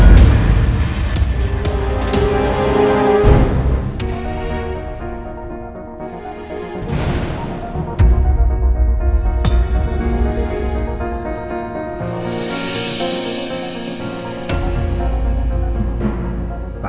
tunggu aku mau cari